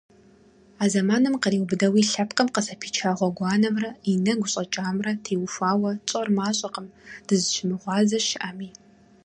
А зэманым къриубыдэуи лъэпкъым къызэпича гъуэгуанэмрэ и нэгу щӏэкӏамрэ теухуауэ тщӏэр мащӏэкъым, дызыщымыгъуазэ щыӏэми.